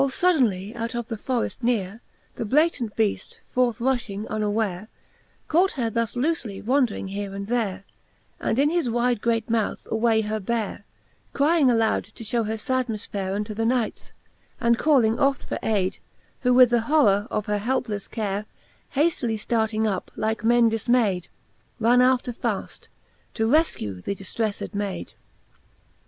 All fodalnely out of the forreft nere The Blatant Be aft forth rufhing unaware, Caught her thus loofely wandring here and there, And in his wide great mouth away her bare, Crying aloud in vaine, to fliew her fad misfare Unto the Knights, and calling oft for ayde, Who with the horrour of her haplefle care Haftily ftarting up, like men difmayde, Ran after faft, to reskue the diftrefled mayde.